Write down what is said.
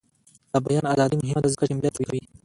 د بیان ازادي مهمه ده ځکه چې ملت قوي کوي.